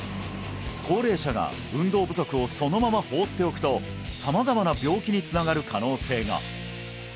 高齢者が運動不足をそのまま放っておくと様々な病気につながる可能性が！